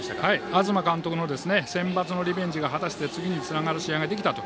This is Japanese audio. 東監督もセンバツのリベンジが果たせて次につながる試合ができたと。